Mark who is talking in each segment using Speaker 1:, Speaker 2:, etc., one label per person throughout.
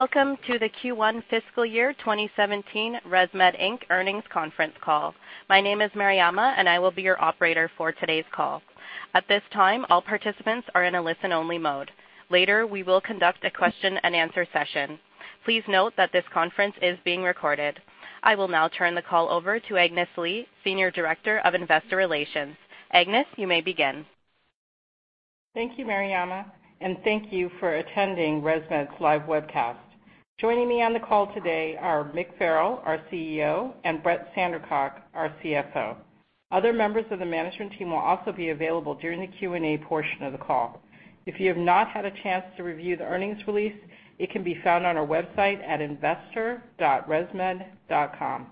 Speaker 1: Welcome to the Q1 fiscal year 2017 ResMed Inc. earnings conference call. My name is Mariama, and I will be your operator for today's call. At this time, all participants are in a listen-only mode. Later, we will conduct a question and answer session. Please note that this conference is being recorded. I will now turn the call over to Agnes Lee, Senior Director of Investor Relations. Agnes, you may begin.
Speaker 2: Thank you, Mariama, and thank you for attending ResMed's live webcast. Joining me on the call today are Mick Farrell, our CEO, and Brett Sandercock, our CFO. Other members of the management team will also be available during the Q&A portion of the call. If you have not had a chance to review the earnings release, it can be found on our website at investor.resmed.com.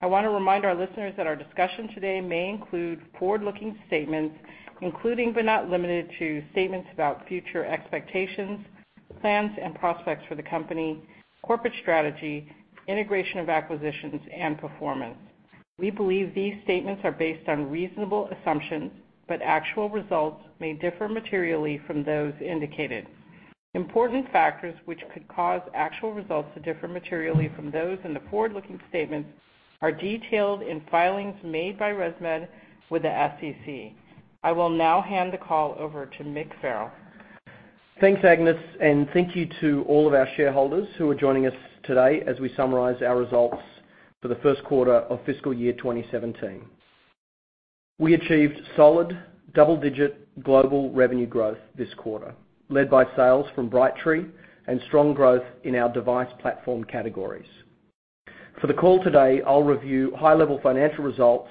Speaker 2: I want to remind our listeners that our discussion today may include forward-looking statements, including but not limited to statements about future expectations, plans, and prospects for the company, corporate strategy, integration of acquisitions, and performance. We believe these statements are based on reasonable assumptions, but actual results may differ materially from those indicated. Important factors which could cause actual results to differ materially from those in the forward-looking statements are detailed in filings made by ResMed with the SEC. I will now hand the call over to Mick Farrell.
Speaker 3: Thanks, Agnes, and thank you to all of our shareholders who are joining us today as we summarize our results for the first quarter of fiscal year 2017. We achieved solid double-digit global revenue growth this quarter, led by sales from Brightree and strong growth in our device platform categories. For the call today, I'll review high-level financial results,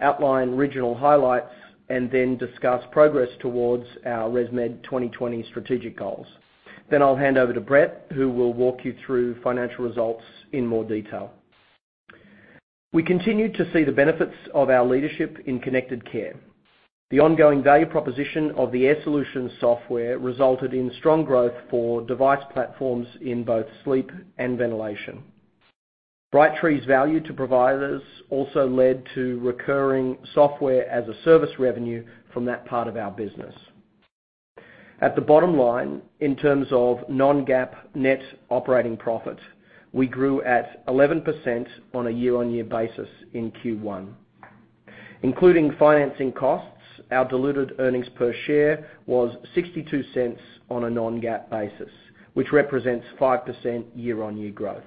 Speaker 3: outline regional highlights, and discuss progress towards our ResMed 2020 strategic goals. I'll hand over to Brett, who will walk you through financial results in more detail. We continue to see the benefits of our leadership in connected care. The ongoing value proposition of the Air Solutions software resulted in strong growth for device platforms in both sleep and ventilation. Brightree's value to providers also led to recurring Software-as-a-Service revenue from that part of our business. At the bottom line, in terms of non-GAAP net operating profit, we grew at 11% on a year-on-year basis in Q1. Including financing costs, our diluted earnings per share was $0.62 on a non-GAAP basis, which represents 5% year-on-year growth.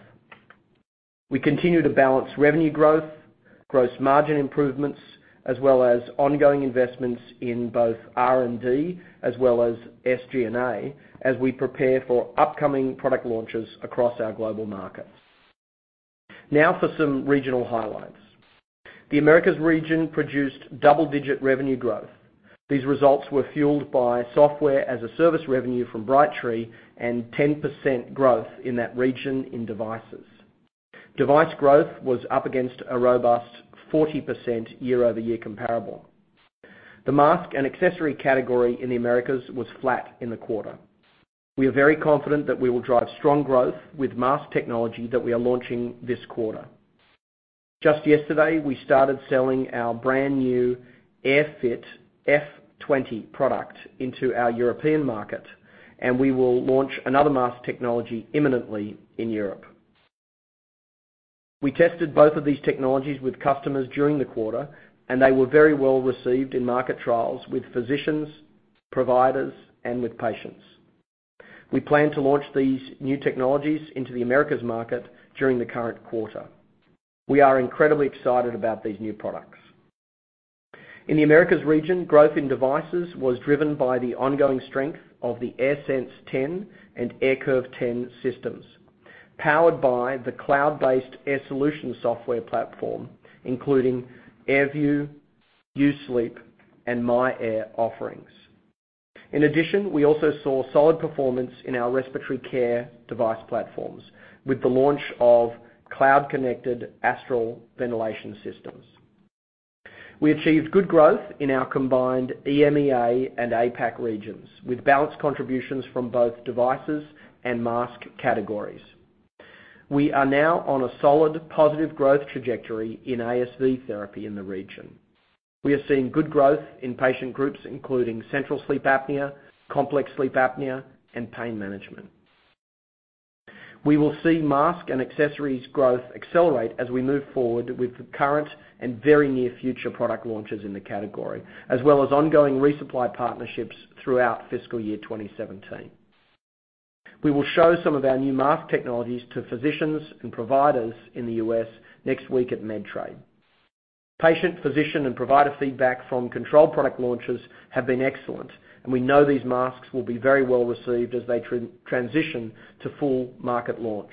Speaker 3: We continue to balance revenue growth, gross margin improvements, as well as ongoing investments in both R&D as well as SG&A as we prepare for upcoming product launches across our global markets. For some regional highlights. The Americas region produced double-digit revenue growth. These results were fueled by software-as-a-service revenue from Brightree and 10% growth in that region in devices. Device growth was up against a robust 40% year-over-year comparable. The mask and accessory category in the Americas was flat in the quarter. We are very confident that we will drive strong growth with mask technology that we are launching this quarter. Just yesterday, we started selling our brand new AirFit F20 product into our European market, and we will launch another mask technology imminently in Europe. We tested both of these technologies with customers during the quarter, and they were very well received in market trials with physicians, providers, and with patients. We plan to launch these new technologies into the Americas market during the current quarter. We are incredibly excited about these new products. In the Americas region, growth in devices was driven by the ongoing strength of the AirSense 10 and AirCurve 10 systems, powered by the cloud-based Air Solutions software platform, including AirView, U-Sleep and myAir offerings. In addition, we also saw solid performance in our respiratory care device platforms with the launch of cloud-connected Astral ventilation systems. We achieved good growth in our combined EMEA and APAC regions, with balanced contributions from both devices and mask categories. We are now on a solid, positive growth trajectory in ASV therapy in the region. We are seeing good growth in patient groups including central sleep apnea, complex sleep apnea, and pain management. We will see mask and accessories growth accelerate as we move forward with the current and very near future product launches in the category, as well as ongoing resupply partnerships throughout fiscal year 2017. We will show some of our new mask technologies to physicians and providers in the U.S. next week at MedTrade. Patient, physician, and provider feedback from controlled product launches have been excellent, and we know these masks will be very well received as they transition to full market launch.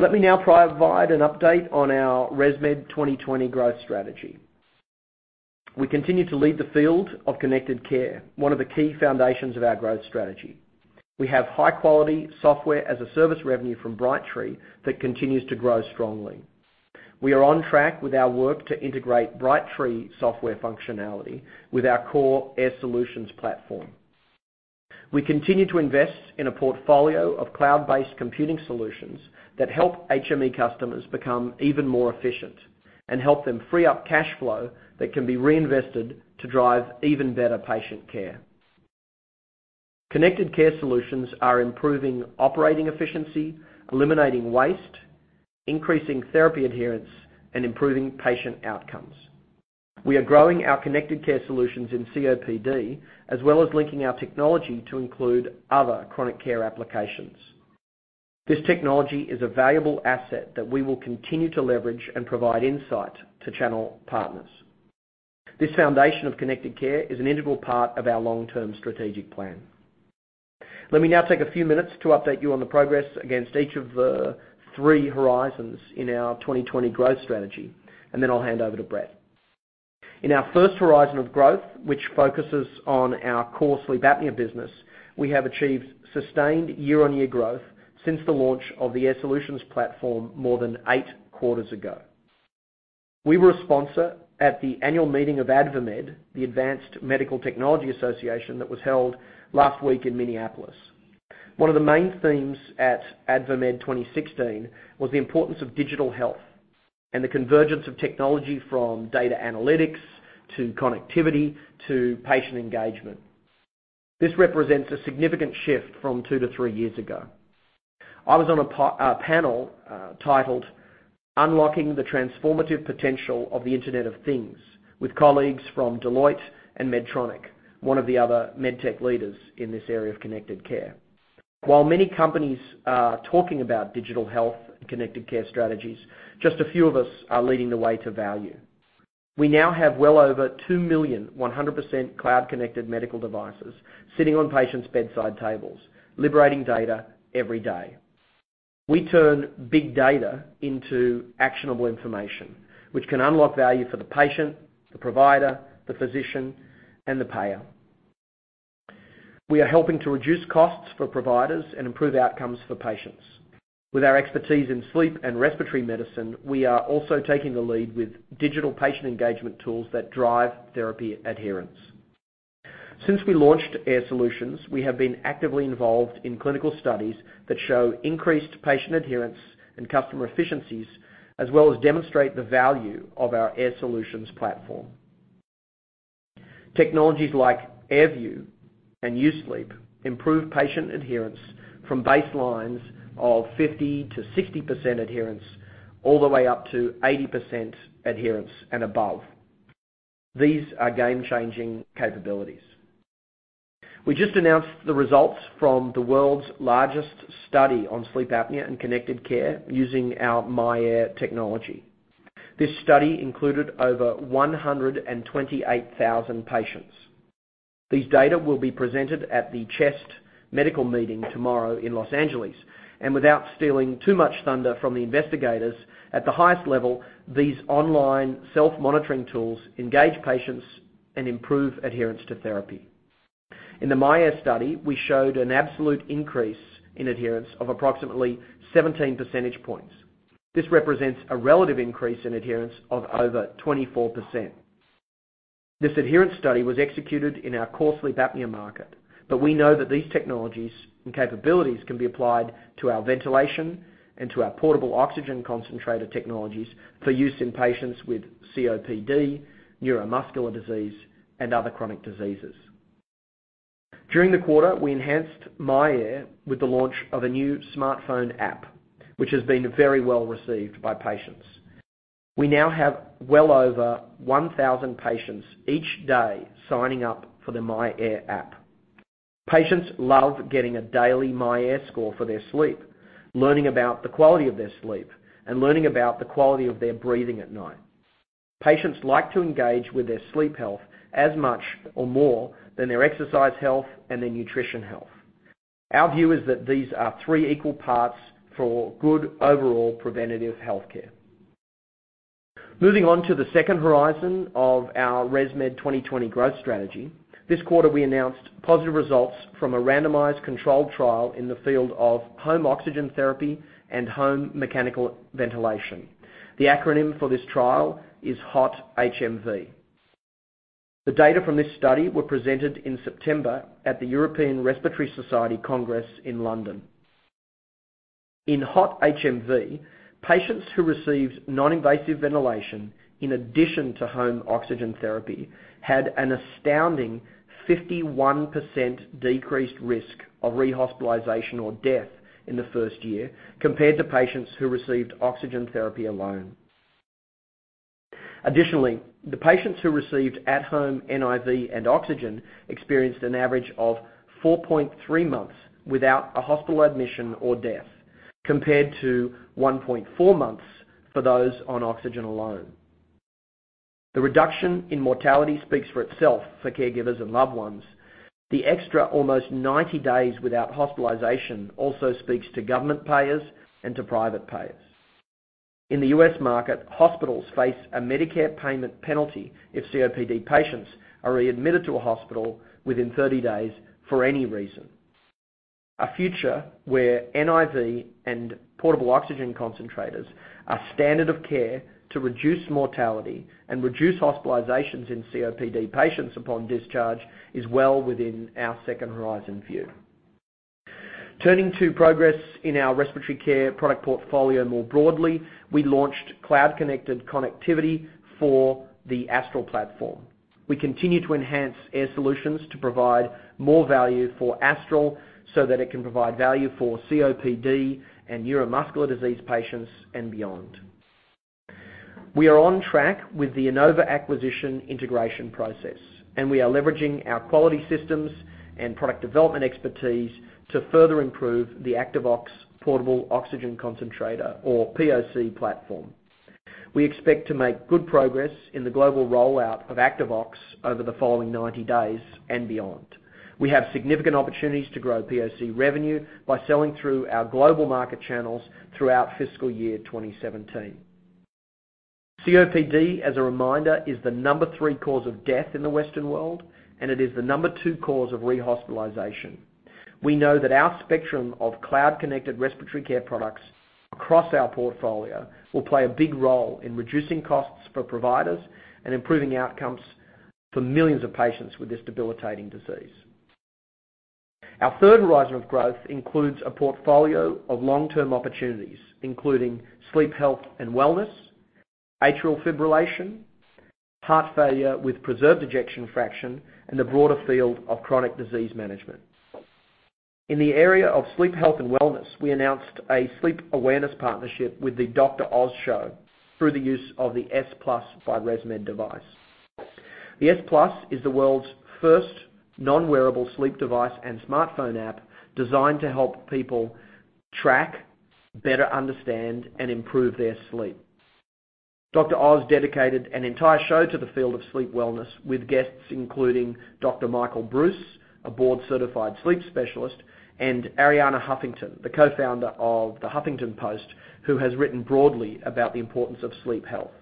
Speaker 3: Let me now provide an update on our ResMed 2020 growth strategy. We continue to lead the field of connected care, one of the key foundations of our growth strategy. We have high-quality software-as-a-service revenue from Brightree that continues to grow strongly. We are on track with our work to integrate Brightree software functionality with our core Air Solutions platform. We continue to invest in a portfolio of cloud-based computing solutions that help HME customers become even more efficient. Help them free up cash flow that can be reinvested to drive even better patient care. Connected care solutions are improving operating efficiency, eliminating waste, increasing therapy adherence, and improving patient outcomes. We are growing our connected care solutions in COPD, as well as linking our technology to include other chronic care applications. This technology is a valuable asset that we will continue to leverage and provide insight to channel partners. This foundation of connected care is an integral part of our long-term strategic plan. Let me now take a few minutes to update you on the progress against each of the three horizons in our 2020 growth strategy, then I'll hand over to Brett. In our first horizon of growth, which focuses on our core sleep apnea business, we have achieved sustained year-on-year growth since the launch of the Air Solutions platform more than eight quarters ago. We were a sponsor at the annual meeting of AdvaMed, the Advanced Medical Technology Association that was held last week in Minneapolis. One of the main themes at AdvaMed 2016 was the importance of digital health and the convergence of technology from data analytics to connectivity to patient engagement. This represents a significant shift from two to three years ago. I was on a panel titled Unlocking the Transformative Potential of the Internet of Things with colleagues from Deloitte and Medtronic, one of the other medtech leaders in this area of connected care. While many companies are talking about digital health connected care strategies, just a few of us are leading the way to value. We now have well over 2 million 100% cloud-connected medical devices sitting on patients' bedside tables, liberating data every day. We turn big data into actionable information, which can unlock value for the patient, the provider, the physician, and the payer. We are helping to reduce costs for providers and improve outcomes for patients. With our expertise in sleep and respiratory medicine, we are also taking the lead with digital patient engagement tools that drive therapy adherence. Since we launched Air Solutions, we have been actively involved in clinical studies that show increased patient adherence and customer efficiencies, as well as demonstrate the value of our Air Solutions platform. Technologies like AirView and U-Sleep improve patient adherence from baselines of 50% to 60% adherence all the way up to 80% adherence and above. These are game-changing capabilities. We just announced the results from the world's largest study on sleep apnea and connected care using our myAir technology. This study included over 128,000 patients. These data will be presented at the CHEST medical meeting tomorrow in L.A. Without stealing too much thunder from the investigators, at the highest level, these online self-monitoring tools engage patients and improve adherence to therapy. In the myAir study, we showed an absolute increase in adherence of approximately 17 percentage points. This represents a relative increase in adherence of over 24%. This adherence study was executed in our core sleep apnea market, we know that these technologies and capabilities can be applied to our ventilation and to our portable oxygen concentrator technologies for use in patients with COPD, neuromuscular disease, and other chronic diseases. During the quarter, we enhanced myAir with the launch of a new smartphone app, which has been very well received by patients. We now have well over 1,000 patients each day signing up for the myAir app. Patients love getting a daily myAir score for their sleep, learning about the quality of their sleep, and learning about the quality of their breathing at night. Patients like to engage with their sleep health as much or more than their exercise health and their nutrition health. Our view is that these are three equal parts for good overall preventative healthcare. Moving on to the second horizon of our ResMed 2020 growth strategy. This quarter, we announced positive results from a randomized controlled trial in the field of home oxygen therapy and home mechanical ventilation. The acronym for this trial is HOT-HMV. The data from this study were presented in September at the European Respiratory Society Congress in London. In HOT-HMV, patients who received non-invasive ventilation in addition to home oxygen therapy had an astounding 51% decreased risk of rehospitalization or death in the first year compared to patients who received oxygen therapy alone. Additionally, the patients who received at-home NIV and oxygen experienced an average of 4.3 months without a hospital admission or death, compared to 1.4 months for those on oxygen alone. The reduction in mortality speaks for itself for caregivers and loved ones. The extra almost 90 days without hospitalization also speaks to government payers and to private payers. In the U.S. market, hospitals face a Medicare payment penalty if COPD patients are readmitted to a hospital within 30 days for any reason. A future where NIV and portable oxygen concentrators are standard of care to reduce mortality and reduce hospitalizations in COPD patients upon discharge is well within our second horizon view. Turning to progress in our respiratory care product portfolio more broadly, we launched cloud-connected connectivity for the Astral platform. We continue to enhance Air Solutions to provide more value for Astral so that it can provide value for COPD and neuromuscular disease patients and beyond. We are on track with the Inova acquisition integration process, and we are leveraging our quality systems and product development expertise to further improve the Activox portable oxygen concentrator or POC platform. We expect to make good progress in the global rollout of Activox over the following 90 days and beyond. We have significant opportunities to grow POC revenue by selling through our global market channels throughout fiscal year 2017. COPD, as a reminder, is the number 3 cause of death in the Western world, and it is the number 2 cause of rehospitalization. We know that our spectrum of cloud-connected respiratory care products across our portfolio will play a big role in reducing costs for providers and improving outcomes for millions of patients with this debilitating disease. Our third horizon of growth includes a portfolio of long-term opportunities, including sleep health and wellness, atrial fibrillation, heart failure with preserved ejection fraction, and the broader field of chronic disease management. In the area of sleep health and wellness, we announced a sleep awareness partnership with the "Dr. Oz" show through the use of the S+ by ResMed device. The S+ is the world's first non-wearable sleep device and smartphone app designed to help people track, better understand, and improve their sleep. Dr. Oz dedicated an entire show to the field of sleep wellness with guests including Dr. Michael Breus, a board-certified sleep specialist, and Arianna Huffington, the co-founder of The Huffington Post, who has written broadly about the importance of sleep health.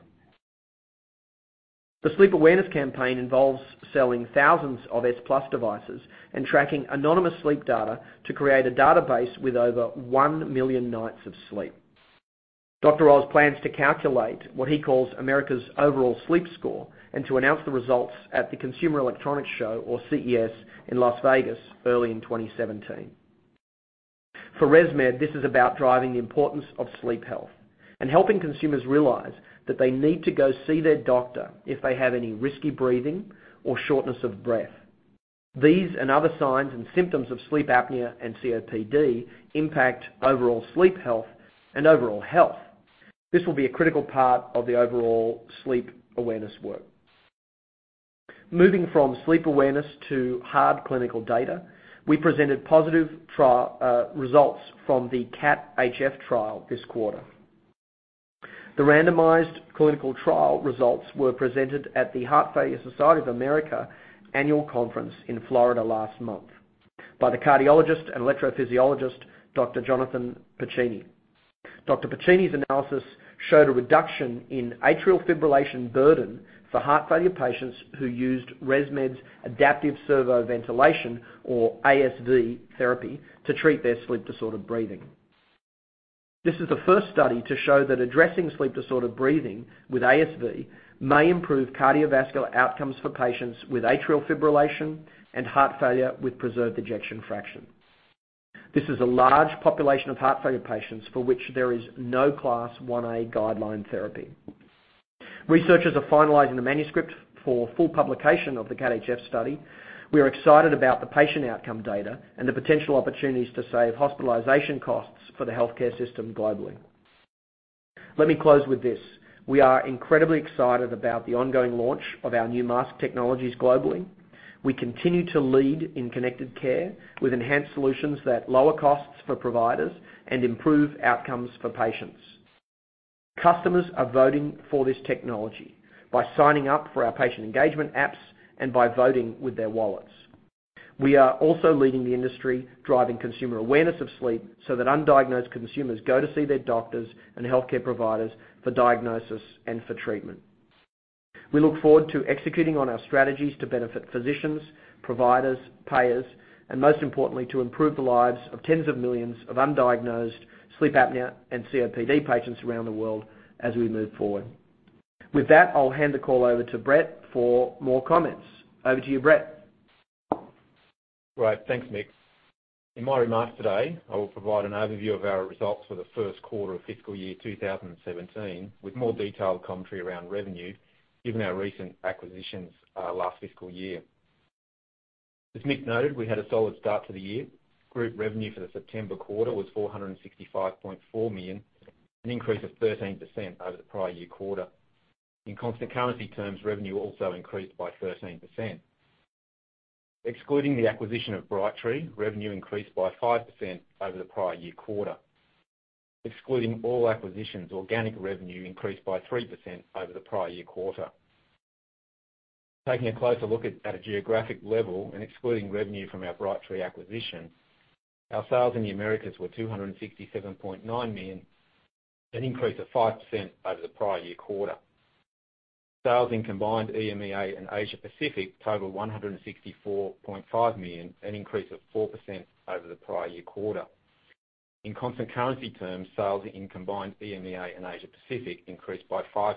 Speaker 3: The sleep awareness campaign involves selling thousands of S+ devices and tracking anonymous sleep data to create a database with over 1 million nights of sleep. Dr. Oz plans to calculate what he calls America's overall sleep score, and to announce the results at the Consumer Electronics Show or CES in Las Vegas early in 2017. For ResMed, this is about driving the importance of sleep health and helping consumers realize that they need to go see their doctor if they have any risky breathing or shortness of breath. These and other signs and symptoms of sleep apnea and COPD impact overall sleep health and overall health. This will be a critical part of the overall sleep awareness work. Moving from sleep awareness to hard clinical data, we presented positive results from the CAT-HF trial this quarter. The randomized clinical trial results were presented at the Heart Failure Society of America annual conference in Florida last month by the cardiologist and electrophysiologist, Dr. Jonathan Piccini. Dr. Piccini's analysis showed a reduction in atrial fibrillation burden for heart failure patients who used ResMed's adaptive servoventilation or ASV therapy to treat their sleep-disordered breathing. This is the first study to show that addressing sleep-disordered breathing with ASV may improve cardiovascular outcomes for patients with atrial fibrillation and heart failure with preserved ejection fraction. This is a large population of heart failure patients for which there is no Class 1 guideline therapy. Researchers are finalizing the manuscript for full publication of the CAT-HF study. We are excited about the patient outcome data and the potential opportunities to save hospitalization costs for the healthcare system globally. Let me close with this. We are incredibly excited about the ongoing launch of our new mask technologies globally. We continue to lead in connected care with enhanced solutions that lower costs for providers and improve outcomes for patients. Customers are voting for this technology by signing up for our patient engagement apps and by voting with their wallets. We are also leading the industry, driving consumer awareness of sleep so that undiagnosed consumers go to see their doctors and healthcare providers for diagnosis and for treatment. We look forward to executing on our strategies to benefit physicians, providers, payers, and most importantly, to improve the lives of tens of millions of undiagnosed sleep apnea and COPD patients around the world as we move forward. With that, I'll hand the call over to Brett for more comments. Over to you, Brett.
Speaker 4: Right. Thanks, Mick. In my remarks today, I will provide an overview of our results for the first quarter of fiscal year 2017 with more detailed commentary around revenue, given our recent acquisitions last fiscal year. As Mick noted, we had a solid start to the year. Group revenue for the September quarter was $465.4 million, an increase of 13% over the prior year quarter. In constant currency terms, revenue also increased by 13%. Excluding the acquisition of Brightree, revenue increased by 5% over the prior year quarter. Excluding all acquisitions, organic revenue increased by 3% over the prior year quarter. Taking a closer look at a geographic level and excluding revenue from our Brightree acquisition, our sales in the Americas were $267.9 million, an increase of 5% over the prior year quarter. Sales in combined EMEA and Asia Pacific totaled $164.5 million, an increase of 4% over the prior year quarter. In constant currency terms, sales in combined EMEA and Asia Pacific increased by 5%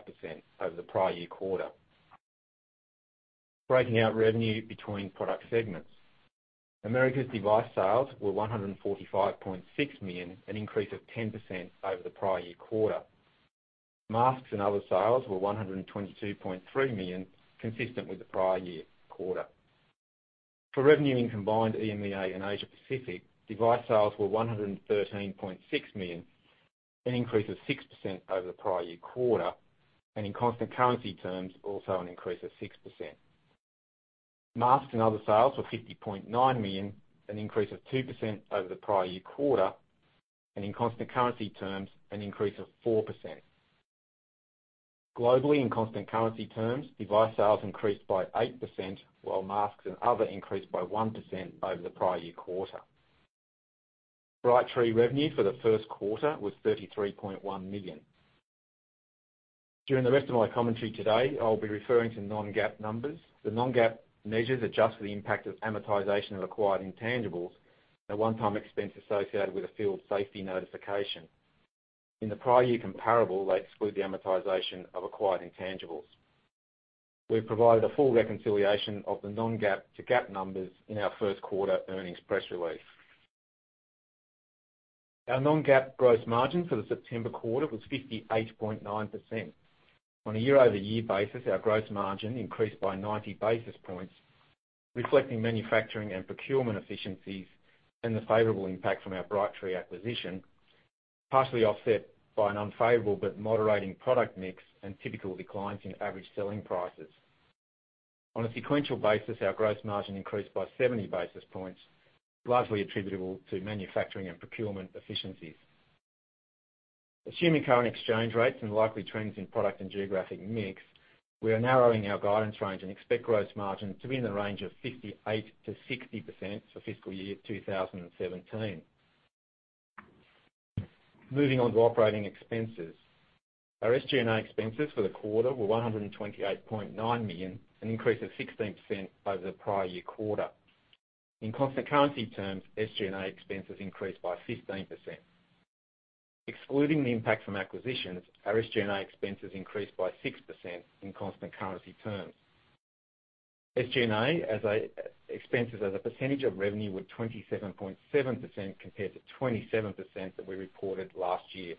Speaker 4: over the prior year quarter. Breaking out revenue between product segments. Americas device sales were $145.6 million, an increase of 10% over the prior year quarter. Masks and other sales were $122.3 million, consistent with the prior year quarter. For revenue in combined EMEA and Asia Pacific, device sales were $113.6 million, an increase of 6% over the prior year quarter, and in constant currency terms, also an increase of 6%. Masks and other sales were $50.9 million, an increase of 2% over the prior year quarter, and in constant currency terms, an increase of 4%. Globally, in constant currency terms, device sales increased by 8%, while masks and other increased by 1% over the prior year quarter. Brightree revenue for the first quarter was $33.1 million. During the rest of my commentary today, I'll be referring to non-GAAP numbers. The non-GAAP measures adjust for the impact of amortization of acquired intangibles and a one-time expense associated with a field safety notification. In the prior year comparable, they exclude the amortization of acquired intangibles. We've provided a full reconciliation of the non-GAAP to GAAP numbers in our first quarter earnings press release. Our non-GAAP gross margin for the September quarter was 58.9%. On a year-over-year basis, our gross margin increased by 90 basis points, reflecting manufacturing and procurement efficiencies and the favorable impact from our Brightree acquisition, partially offset by an unfavorable but moderating product mix and typical declines in average selling prices. On a sequential basis, our gross margin increased by 70 basis points, largely attributable to manufacturing and procurement efficiencies. Assuming current exchange rates and likely trends in product and geographic mix, we are narrowing our guidance range and expect gross margin to be in the range of 58%-60% for fiscal year 2017. Moving on to operating expenses. Our SG&A expenses for the quarter were $128.9 million, an increase of 16% over the prior year quarter. In constant currency terms, SG&A expenses increased by 15%. Excluding the impact from acquisitions, our SG&A expenses increased by 6% in constant currency terms. SG&A expenses as a percentage of revenue were 27.7%, compared to 27% that we reported last year.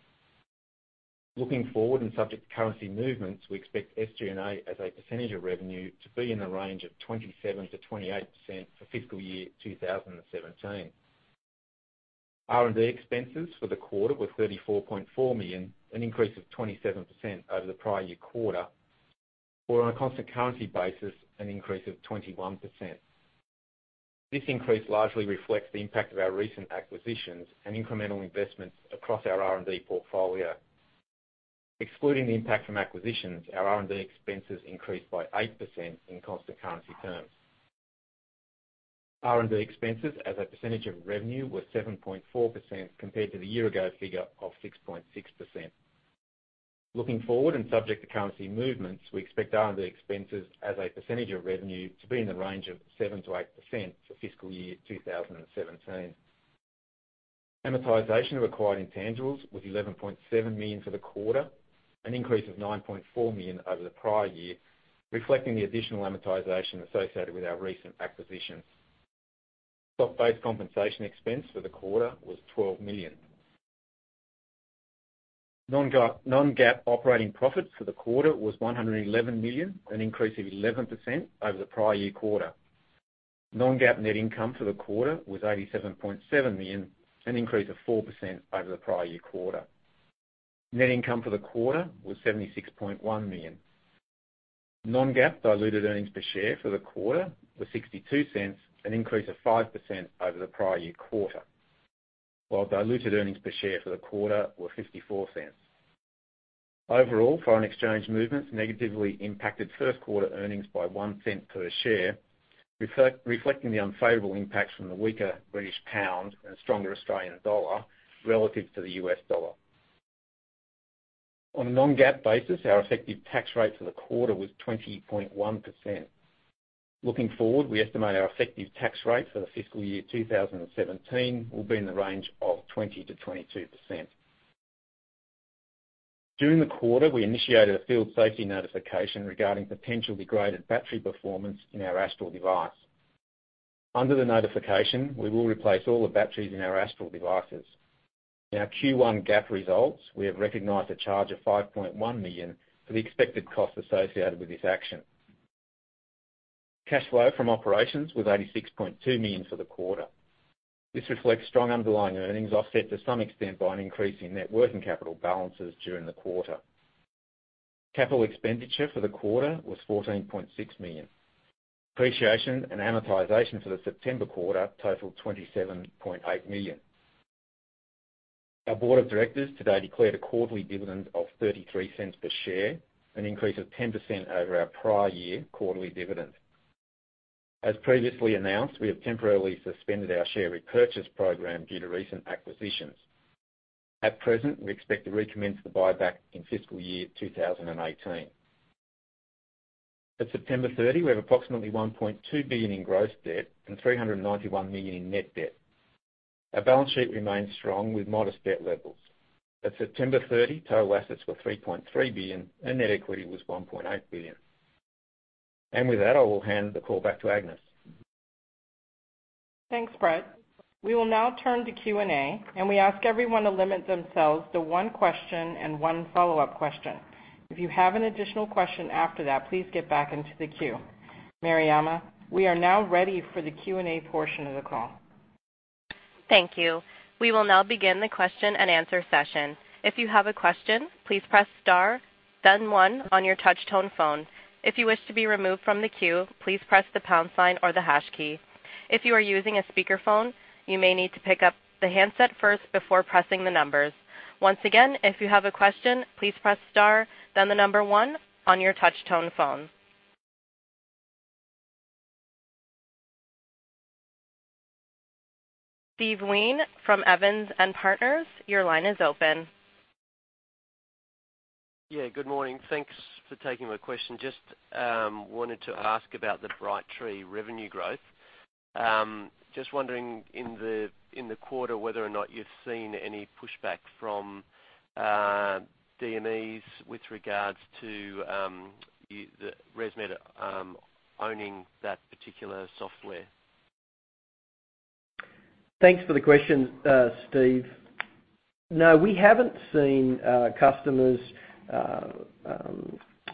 Speaker 4: Looking forward and subject to currency movements, we expect SG&A as a percentage of revenue to be in the range of 27%-28% for fiscal year 2017. R&D expenses for the quarter were $34.4 million, an increase of 27% over the prior year quarter, or on a constant currency basis, an increase of 21%. This increase largely reflects the impact of our recent acquisitions and incremental investments across our R&D portfolio. Excluding the impact from acquisitions, our R&D expenses increased by 8% in constant currency terms. R&D expenses as a percentage of revenue were 7.4%, compared to the year ago figure of 6.6%. Looking forward and subject to currency movements, we expect R&D expenses as a percentage of revenue to be in the range of 7%-8% for fiscal year 2017. Amortization of acquired intangibles was $11.7 million for the quarter, an increase of $9.4 million over the prior year, reflecting the additional amortization associated with our recent acquisitions. Stock-based compensation expense for the quarter was $12 million. Non-GAAP operating profits for the quarter was $111 million, an increase of 11% over the prior year quarter. Non-GAAP net income for the quarter was $87.7 million, an increase of 4% over the prior year quarter. Net income for the quarter was $76.1 million. Non-GAAP diluted earnings per share for the quarter were $0.62, an increase of 5% over the prior year quarter, while diluted earnings per share for the quarter were $0.54. Overall, foreign exchange movements negatively impacted first quarter earnings by $0.01 per share, reflecting the unfavorable impacts from the weaker British pound and a stronger Australian dollar relative to the US dollar. On a non-GAAP basis, our effective tax rate for the quarter was 20.1%. Looking forward, we estimate our effective tax rate for the fiscal year 2017 will be in the range of 20%-22%. During the quarter, we initiated a field safety notification regarding potential degraded battery performance in our Astral device. Under the notification, we will replace all the batteries in our Astral devices. In our Q1 GAAP results, we have recognized a charge of $5.1 million for the expected cost associated with this action. Cash flow from operations was $86.2 million for the quarter. This reflects strong underlying earnings, offset to some extent by an increase in net working capital balances during the quarter. Capital expenditure for the quarter was $14.6 million. Depreciation and amortization for the September quarter totaled $27.8 million. Our board of directors today declared a quarterly dividend of $0.33 per share, an increase of 10% over our prior year quarterly dividend. As previously announced, we have temporarily suspended our share repurchase program due to recent acquisitions. At present, we expect to recommence the buyback in fiscal year 2018. At September 30, we have approximately $1.2 billion in gross debt and $391 million in net debt.
Speaker 3: Our balance sheet remains strong with modest debt levels. At September 30, total assets were $3.3 billion, and net equity was $1.8 billion. With that, I will hand the call back to Agnes.
Speaker 2: Thanks, Brett. We will now turn to Q&A. We ask everyone to limit themselves to one question and one follow-up question. If you have an additional question after that, please get back into the queue. Mariama, we are now ready for the Q&A portion of the call.
Speaker 1: Thank you. We will now begin the question and answer session. If you have a question, please press star then one on your touch-tone phone. If you wish to be removed from the queue, please press the pound sign or the hash key. If you are using a speakerphone, you may need to pick up the handset first before pressing the numbers. Once again, if you have a question, please press star, then the number one on your touch-tone phone. Steve Wheen from Evans & Partners, your line is open.
Speaker 5: Yeah, good morning. Thanks for taking my question. Just wanted to ask about the Brightree revenue growth. Just wondering in the quarter whether or not you've seen any pushback from DMEs with regards to ResMed owning that particular software.
Speaker 3: Thanks for the question, Steve. No, we haven't seen customers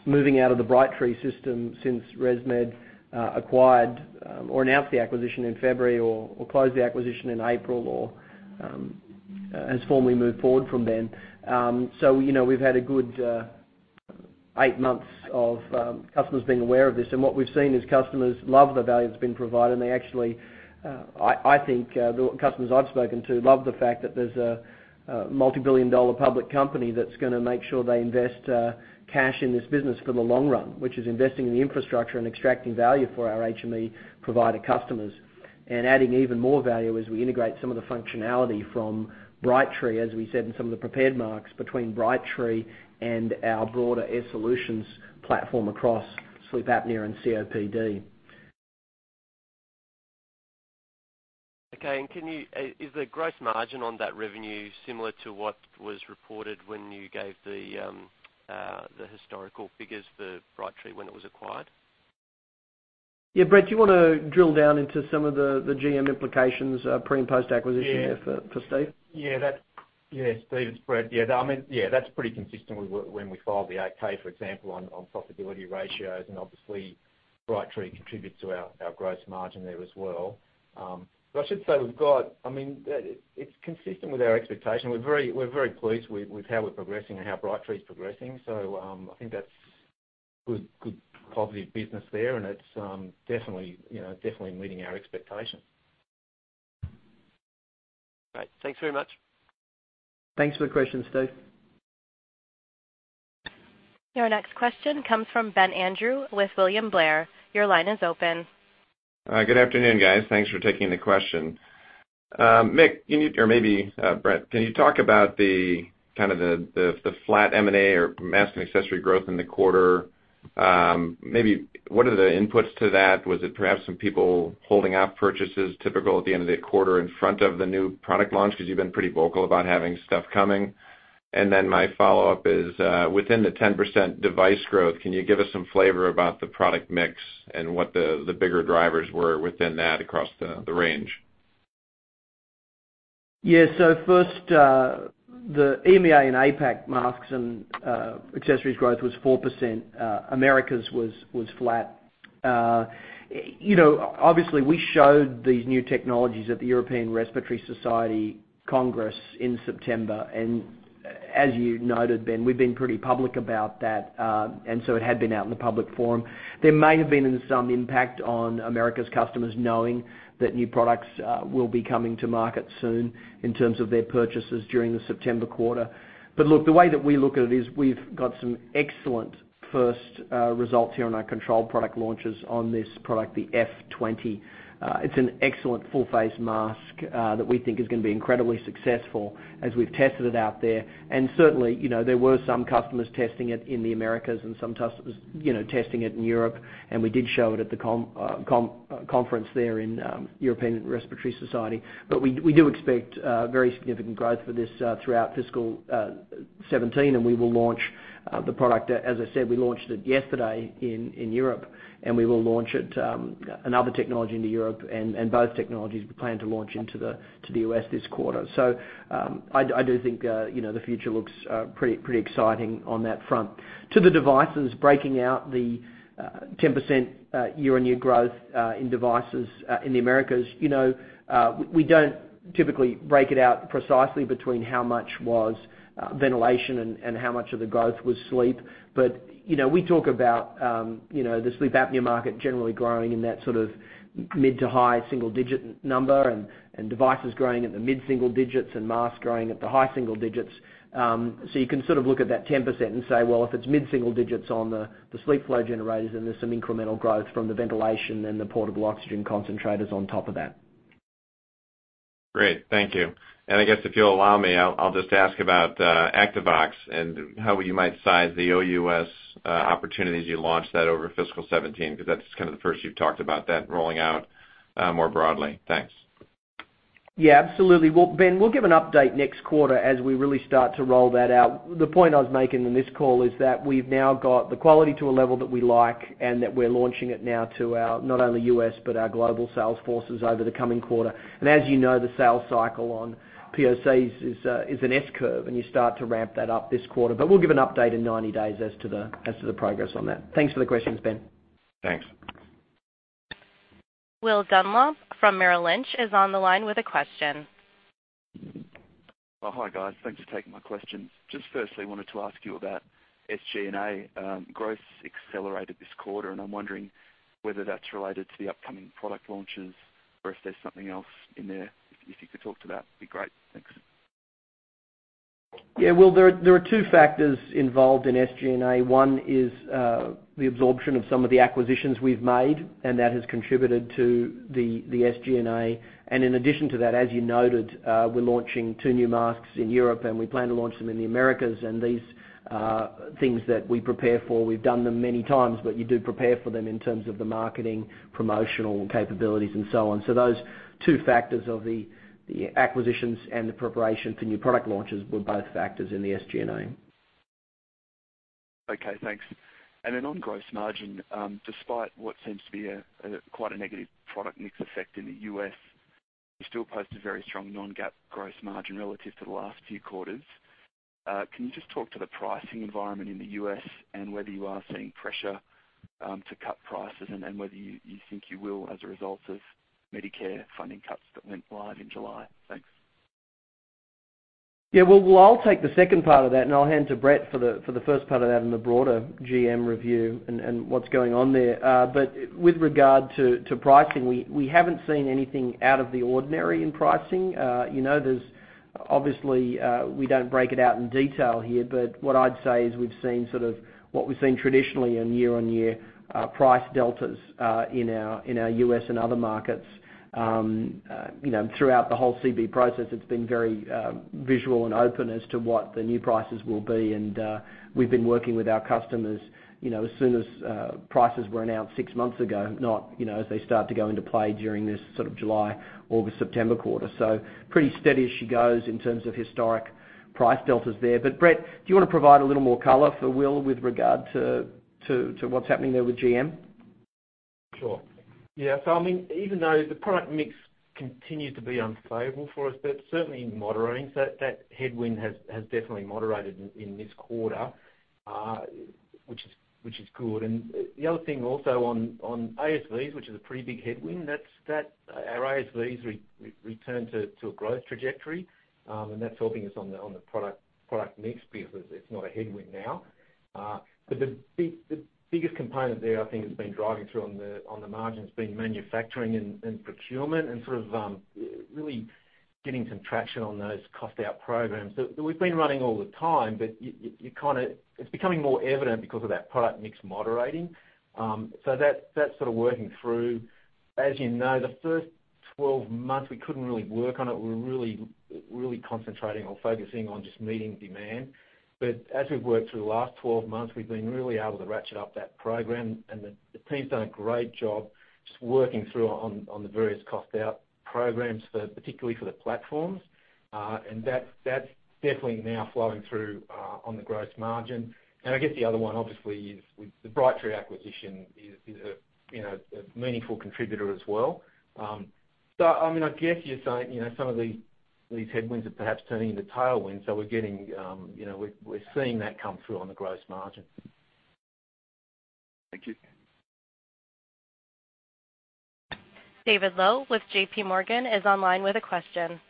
Speaker 3: moving out of the Brightree system since ResMed acquired or announced the acquisition in February or closed the acquisition in April, has formally moved forward from then. We've had a good eight months of customers being aware of this. What we've seen is customers love the value that's been provided, and they actually, I think the customers I've spoken to love the fact that there's a multibillion-dollar public company that's going to make sure they invest cash in this business for the long run, which is investing in the infrastructure and extracting value for our HME provider customers. Adding even more value as we integrate some of the functionality from Brightree, as we said in some of the prepared marks between Brightree and our broader Air Solutions platform across sleep apnea and COPD.
Speaker 5: Okay. Is the gross margin on that revenue similar to what was reported when you gave the historical figures for Brightree when it was acquired?
Speaker 3: Yeah. Brett, do you want to drill down into some of the GM implications, pre and post-acquisition there for Steve?
Speaker 4: Yeah, Steve, it's Brett. That's pretty consistent with when we filed the 8-K, for example, on profitability ratios. Obviously, Brightree contributes to our gross margin there as well. I should say, it's consistent with our expectation. We're very pleased with how we're progressing and how Brightree's progressing. I think that's good positive business there, and it's definitely meeting our expectations.
Speaker 5: Great. Thanks very much.
Speaker 3: Thanks for the question, Steve.
Speaker 1: Your next question comes from Ben Andrew with William Blair. Your line is open.
Speaker 6: Good afternoon, guys. Thanks for taking the question. Mick, or maybe Brett, can you talk about the flat M&A or mask and accessory growth in the quarter? Maybe what are the inputs to that? Was it perhaps some people holding up purchases typical at the end of the quarter in front of the new product launch? Because you've been pretty vocal about having stuff coming. My follow-up is, within the 10% device growth, can you give us some flavor about the product mix and what the bigger drivers were within that across the range?
Speaker 3: Yeah. First, the EMEA and APAC masks and accessories growth was 4%. Americas was flat. Obviously, we showed these new technologies at the European Respiratory Society Congress in September, as you noted, Ben, we've been pretty public about that. It had been out in the public forum. There may have been some impact on Americas customers knowing that new products will be coming to market soon in terms of their purchases during the September quarter. Look, the way that we look at it is we've got some excellent first results here on our control product launches on this product, the F20. It's an excellent full-face mask that we think is going to be incredibly successful as we've tested it out there. Certainly, there were some customers testing it in the Americas and some testing it in Europe, and we did show it at the conference there in European Respiratory Society. We do expect very significant growth for this throughout fiscal 2017, and we will launch the product. As I said, we launched it yesterday in Europe, and we will launch another technology into Europe, and both technologies we plan to launch into the U.S. this quarter. I do think the future looks pretty exciting on that front. To the devices, breaking out the 10% year-on-year growth in devices in the Americas. We don't typically break it out precisely between how much was ventilation and how much of the growth was sleep. We talk about the sleep apnea market generally growing in that sort of mid- to high-single-digit number, and devices growing at the mid-single digits and masks growing at the high-single digits. You can sort of look at that 10% and say, well, if it's mid-single digits on the sleep flow generators and there's some incremental growth from the ventilation, then the portable oxygen concentrators on top of that.
Speaker 6: Great. Thank you. I guess if you'll allow me, I'll just ask about Activox and how you might size the OUS opportunities you launch that over fiscal 2017, because that's kind of the first you've talked about that rolling out more broadly. Thanks.
Speaker 3: Yeah, absolutely. Well, Ben, we'll give an update next quarter as we really start to roll that out. The point I was making in this call is that we've now got the quality to a level that we like, and that we're launching it now to our, not only U.S., but our global sales forces over the coming quarter. As you know, the sales cycle on POCs is an S-curve, and you start to ramp that up this quarter. We'll give an update in 90 days as to the progress on that. Thanks for the questions, Ben.
Speaker 6: Thanks.
Speaker 1: Will Dunlop from Merrill Lynch is on the line with a question.
Speaker 7: Hi, guys. Thanks for taking my questions. Just firstly, wanted to ask you about SG&A. Growth's accelerated this quarter, I'm wondering whether that's related to the upcoming product launches or if there's something else in there. If you could talk to that, it'd be great. Thanks.
Speaker 3: Yeah, Will, there are two factors involved in SG&A. One is the absorption of some of the acquisitions we've made, that has contributed to the SG&A. In addition to that, as you noted, we're launching two new masks in Europe, we plan to launch them in the Americas. These are things that we prepare for. We've done them many times, you do prepare for them in terms of the marketing, promotional capabilities, and so on. Those two factors of the acquisitions and the preparation for new product launches were both factors in the SG&A.
Speaker 7: Okay, thanks. On gross margin, despite what seems to be quite a negative product mix effect in the U.S., you still post a very strong non-GAAP gross margin relative to the last few quarters. Can you just talk to the pricing environment in the U.S. and whether you are seeing pressure to cut prices and whether you think you will as a result of Medicare funding cuts that went live in July? Thanks.
Speaker 3: I'll take the second part of that, and I'll hand to Brett for the first part of that and the broader GM review and what's going on there. With regard to pricing, we haven't seen anything out of the ordinary in pricing. Obviously, we don't break it out in detail here, but what I'd say is we've seen sort of what we've seen traditionally in year-on-year price deltas in our U.S. and other markets. Throughout the whole CB process, it's been very visual and open as to what the new prices will be, and we've been working with our customers as soon as prices were announced 6 months ago, not as they start to go into play during this sort of July, August, September quarter. Pretty steady as she goes in terms of historic price deltas there. Brett, do you want to provide a little more color for Will with regard to what's happening there with GM?
Speaker 4: Sure. Even though the product mix continues to be unfavorable for us, that's certainly moderating. That headwind has definitely moderated in this quarter, which is good. The other thing also on ASVs, which is a pretty big headwind, our ASVs returned to a growth trajectory, and that's helping us on the product mix because it's not a headwind now. The biggest component there I think that's been driving through on the margins been manufacturing and procurement and sort of really getting some traction on those cost out programs that we've been running all the time, but it's becoming more evident because of that product mix moderating. That's sort of working through. As you know, the first 12 months, we couldn't really work on it. We were really concentrating or focusing on just meeting demand. As we've worked through the last 12 months, we've been really able to ratchet up that program, and the team's done a great job just working through on the various cost out programs, particularly for the platforms. That's definitely now flowing through on the gross margin. I guess the other one, obviously, is with the Brightree acquisition is a meaningful contributor as well. I guess you're saying some of these headwinds are perhaps turning into tailwinds, we're seeing that come through on the gross margin.
Speaker 7: Thank you.
Speaker 1: David Low with JPMorgan is online with a question.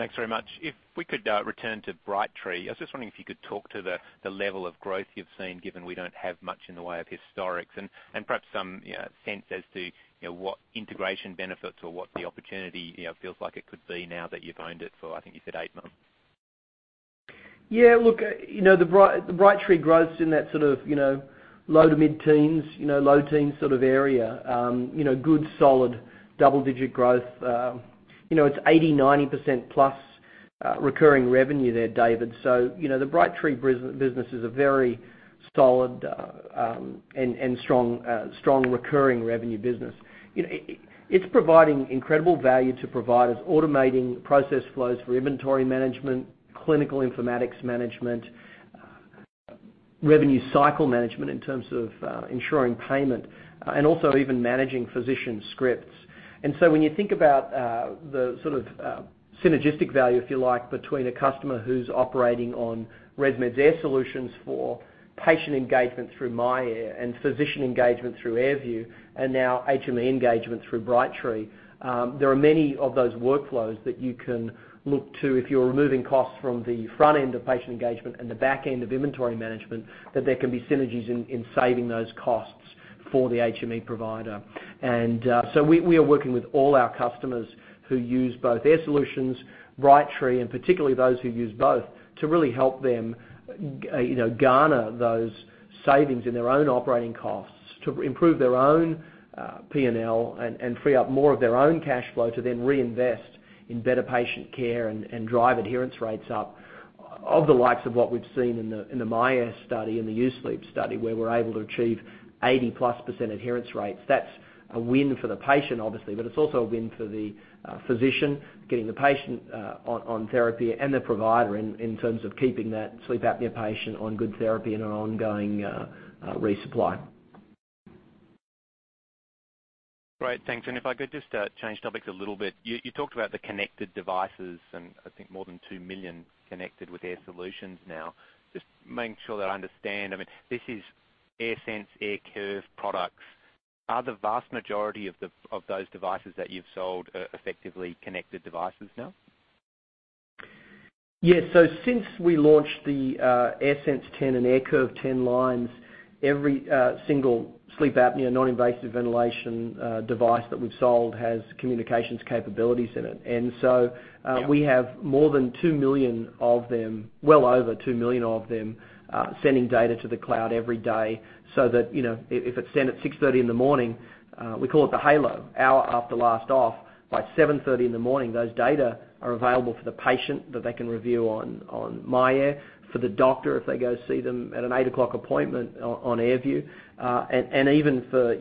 Speaker 8: Thanks very much. If we could return to Brightree, I was just wondering if you could talk to the level of growth you've seen, given we don't have much in the way of historics, and perhaps some sense as to what integration benefits or what the opportunity feels like it could be now that you've owned it for, I think you said eight months. Yeah. Look, the Brightree growth's in that sort of low to mid-teens, low teens sort of area. Good, solid double-digit growth. It's 80%, 90% plus recurring revenue there, David. The Brightree business is a very solid and strong recurring revenue business. It's providing incredible value to providers, automating process flows for inventory management, clinical informatics management, revenue cycle management in terms of ensuring payment, and also even managing physician scripts.
Speaker 3: When you think about the sort of synergistic value, if you like, between a customer who's operating on ResMed's Air Solutions for patient engagement through myAir and physician engagement through AirView, and now HME engagement through Brightree, there are many of those workflows that you can look to if you're removing costs from the front end of patient engagement and the back end of inventory management, that there can be synergies in saving those costs for the HME provider. We are working with all our customers who use both Air Solutions, Brightree, and particularly those who use both to really help them garner those savings in their own operating costs to improve their own P&L and free up more of their own cash flow to then reinvest in better patient care and drive adherence rates up. Of the likes of what we've seen in the myAir study and the U-Sleep study, where we're able to achieve 80-plus% adherence rates. That's a win for the patient, obviously, but it's also a win for the physician, getting the patient on therapy, and the provider in terms of keeping that sleep apnea patient on good therapy and an ongoing resupply.
Speaker 8: Great. Thanks. If I could just change topics a little bit. You talked about the connected devices and I think more than 2 million connected with Air Solutions now. Just making sure that I understand, this is AirSense, AirCurve products. Are the vast majority of those devices that you've sold effectively connected devices now?
Speaker 3: Yes. Since we launched the AirSense 10 and AirCurve 10 lines, every single sleep apnea, non-invasive ventilation device that we've sold has communications capabilities in it.
Speaker 8: Yeah
Speaker 3: We have more than 2 million of them, well over 2 million of them, sending data to the cloud every day, so that, if it's sent at 6:30 A.M., we call it the HALO, hour after last off. By 7:30 A.M., those data are available for the patient that they can review on myAir, for the doctor if they go see them at an 8:00 A.M. appointment on AirView. Even for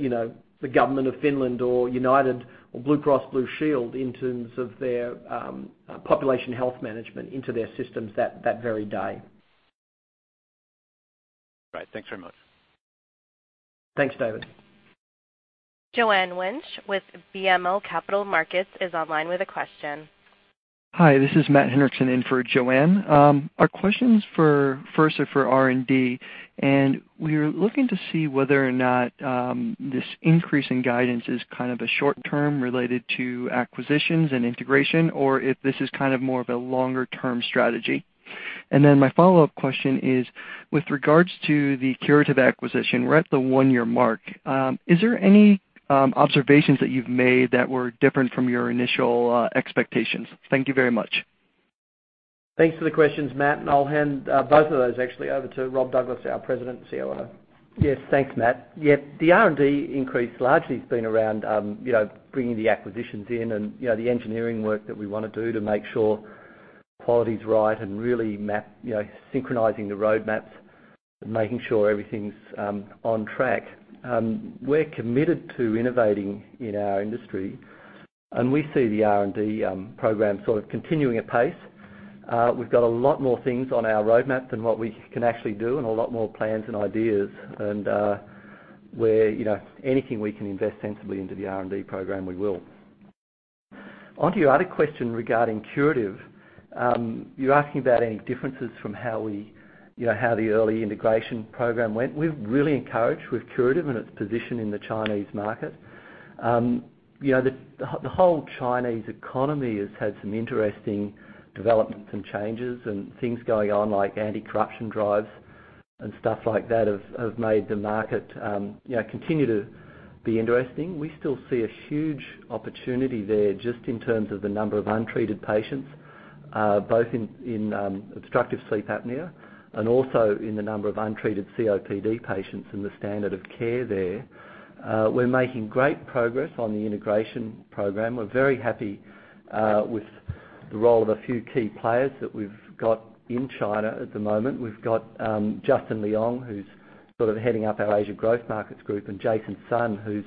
Speaker 3: the government of Finland or United or Blue Cross Blue Shield in terms of their population health management into their systems that very day.
Speaker 8: Right. Thanks very much.
Speaker 3: Thanks, David.
Speaker 1: Joanne Wuensch with BMO Capital Markets is online with a question.
Speaker 9: Hi, this is Matt Henriksen in for Joanne. Our questions first are for R&D. We're looking to see whether or not this increase in guidance is kind of a short-term related to acquisitions and integration, or if this is kind of more of a longer-term strategy. My follow-up question is, with regards to the Curative acquisition, we're at the one-year mark. Is there any observations that you've made that were different from your initial expectations? Thank you very much.
Speaker 3: Thanks for the questions, Matt, and I'll hand both of those actually over to Rob Douglas, our President and CEO.
Speaker 10: Yes. Thanks, Matt. The R&D increase largely has been around bringing the acquisitions in and the engineering work that we want to do to make sure quality's right and really synchronizing the roadmaps and making sure everything's on track. We're committed to innovating in our industry, and we see the R&D program sort of continuing at pace. We've got a lot more things on our roadmap than what we can actually do and a lot more plans and ideas. Where anything we can invest sensibly into the R&D program, we will. Onto your other question regarding Curative. You're asking about any differences from how the early integration program went. We're really encouraged with Curative and its position in the Chinese market. The whole Chinese economy has had some interesting developments and changes, and things going on like anti-corruption drives and stuff like that have made the market continue to be interesting. We still see a huge opportunity there just in terms of the number of untreated patients, both in obstructive sleep apnea and also in the number of untreated COPD patients and the standard of care there. We're making great progress on the integration program. We're very happy with the role of a few key players that we've got in China at the moment. We've got Justin Leong, who's sort of heading up our Asia growth markets group, and Jason Sun, who's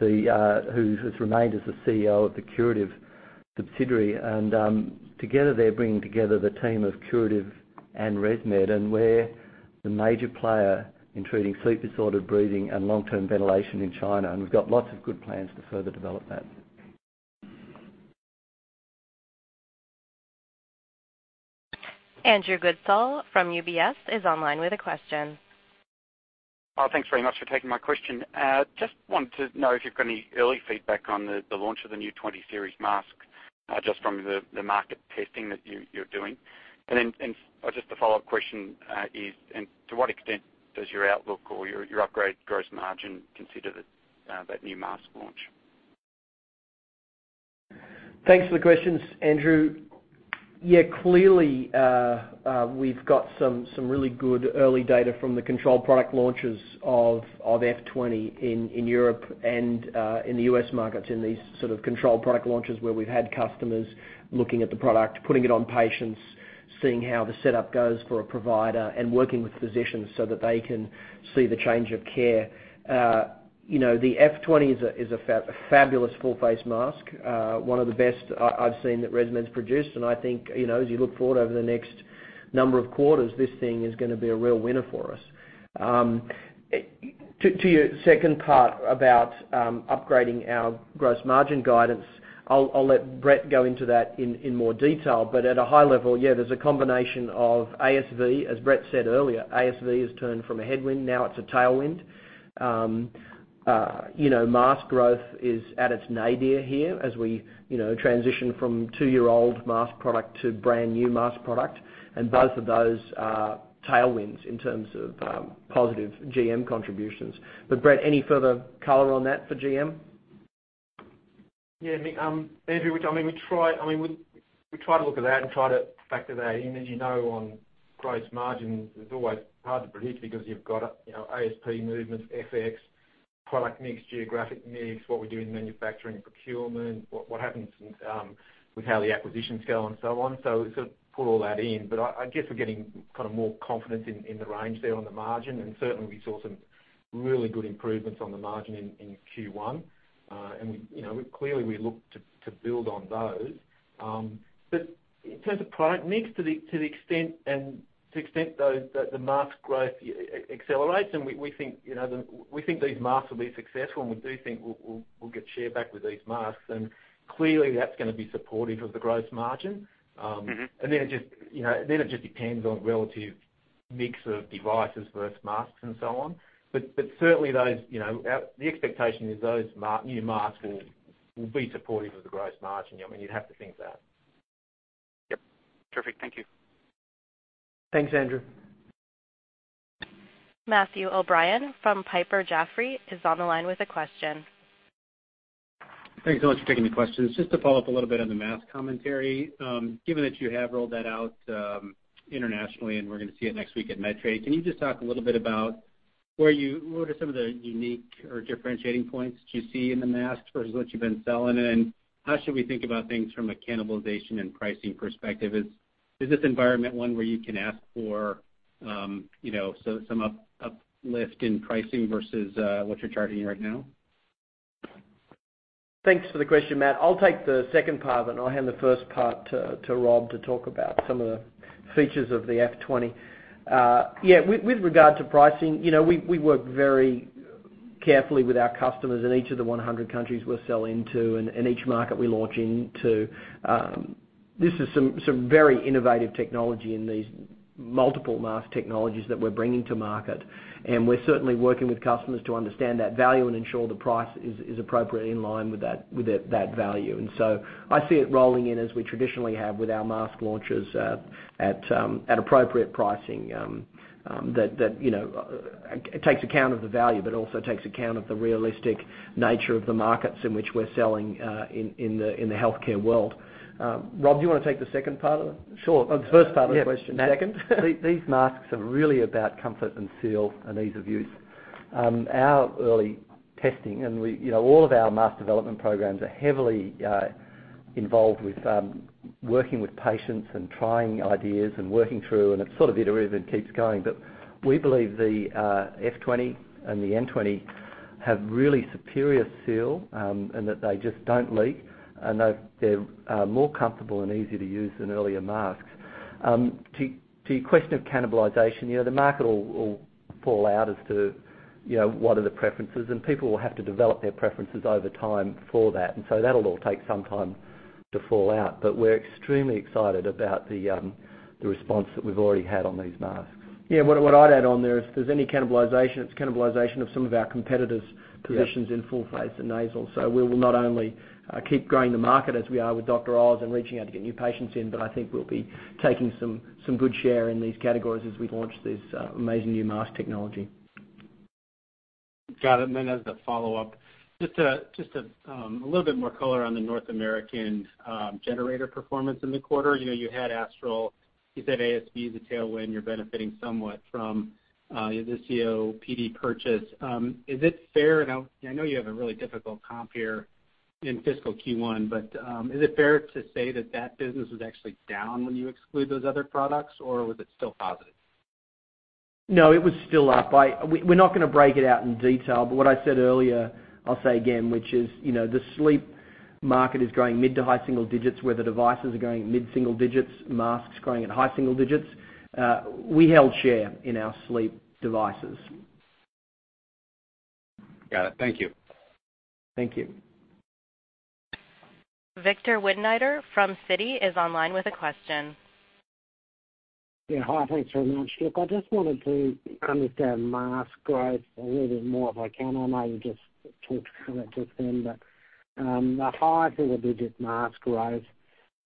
Speaker 10: remained as the CEO of the Curative subsidiary. Together, they're bringing together the team of Curative and ResMed, and we're the major player in treating sleep disordered breathing and long-term ventilation in China, and we've got lots of good plans to further develop that.
Speaker 1: Andrew Goodsell from UBS is online with a question.
Speaker 11: Thanks very much for taking my question. Just wanted to know if you've got any early feedback on the launch of the new 20 Series mask, just from the market testing that you're doing. Just a follow-up question is, to what extent does your outlook or your upgraded gross margin consider that new mask launch?
Speaker 3: Thanks for the questions, Andrew. Yeah, clearly, we've got some really good early data from the controlled product launches of F20 in Europe and in the U.S. markets in these sort of controlled product launches where we've had customers looking at the product, putting it on patients, seeing how the setup goes for a provider, and working with physicians so that they can see the change of care. The F20 is a fabulous full face mask. One of the best I've seen that ResMed's produced, and I think, as you look forward over the next number of quarters, this thing is gonna be a real winner for us. To your second part about upgrading our gross margin guidance, I'll let Brett go into that in more detail. At a high level, yeah, there's a combination of ASV, as Brett said earlier. ASV has turned from a headwind, now it's a tailwind. Mask growth is at its nadir here as we transition from two-year-old mask product to brand-new mask product, both of those are tailwinds in terms of positive GM contributions. Brett, any further color on that for GM?
Speaker 4: Yeah, Andrew, we try to look at that and try to factor that in. As you know, on
Speaker 3: Gross margin is always hard to predict because you've got ASP movements, FX, product mix, geographic mix, what we do in manufacturing and procurement, what happens with how the acquisitions go, and so on. Pull all that in. I guess we're getting more confidence in the range there on the margin. Certainly, we saw some really good improvements on the margin in Q1. Clearly, we look to build on those. In terms of product mix, to the extent the mask growth accelerates, and we think these masks will be successful, and we do think we'll get share back with these masks. Clearly, that's going to be supportive of the gross margin. It just depends on relative mix of devices versus masks and so on. Certainly, the expectation is those new masks will be supportive of the gross margin. You'd have to think that.
Speaker 11: Yep. Perfect. Thank you.
Speaker 3: Thanks, Andrew.
Speaker 1: Matthew O'Brien from Piper Jaffray is on the line with a question.
Speaker 12: Thanks so much for taking the questions. Just to follow up a little bit on the mask commentary. Given that you have rolled that out internationally, and we're going to see it next week at Medtrade, can you just talk a little bit about what are some of the unique or differentiating points that you see in the mask versus what you've been selling? How should we think about things from a cannibalization and pricing perspective? Is this environment one where you can ask for some uplift in pricing versus what you're charging right now?
Speaker 3: Thanks for the question, Matt. I'll take the second part of it, and I'll hand the first part to Rob to talk about some of the features of the F20. With regard to pricing, we work very carefully with our customers in each of the 100 countries we sell into and each market we launch into. This is some very innovative technology in these multiple mask technologies that we're bringing to market, and we're certainly working with customers to understand that value and ensure the price is appropriately in line with that value. I see it rolling in as we traditionally have with our mask launches at appropriate pricing. That it takes account of the value, but also takes account of the realistic nature of the markets in which we're selling in the healthcare world. Rob, do you want to take the second part of it?
Speaker 10: Sure.
Speaker 3: The first part of the question.
Speaker 10: Yeah.
Speaker 3: Second?
Speaker 10: These masks are really about comfort and seal and ease of use. Our early testing, and all of our mask development programs are heavily involved with working with patients and trying ideas and working through, and it sort of iterates and keeps going. We believe the F20 and the N20 have really superior seal, and that they just don't leak, and they're more comfortable and easy to use than earlier masks. To your question of cannibalization, the market will fall out as to what are the preferences, and people will have to develop their preferences over time for that. That'll all take some time to fall out. We're extremely excited about the response that we've already had on these masks.
Speaker 3: Yeah. What I'd add on there, if there's any cannibalization, it's cannibalization of some of our competitors' positions in full-face and nasal. We will not only keep growing the market as we are with Dr. Oz and reaching out to get new patients in, but I think we'll be taking some good share in these categories as we launch this amazing new mask technology.
Speaker 12: Got it. As a follow-up, just a little bit more color on the North American generator performance in the quarter. You had Astral. You said ASP is a tailwind, you're benefiting somewhat from the COPD purchase. I know you have a really difficult comp here in fiscal Q1, is it fair to say that that business was actually down when you exclude those other products, or was it still positive?
Speaker 3: No, it was still up. We're not going to break it out in detail, but what I said earlier, I'll say again, which is the sleep market is growing mid to high single-digits, where the devices are growing mid single-digits, masks growing at high single-digits. We held share in our sleep devices.
Speaker 12: Got it. Thank you.
Speaker 3: Thank you.
Speaker 1: Victor Windnier from Citi is online with a question.
Speaker 13: Yeah. Hi. Thanks very much. I just wanted to understand mask growth a little bit more, if I can. I know you just talked about it just then, the high single-digit mask growth,